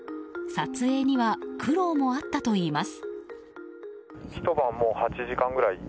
撮影には苦労もあったといいます。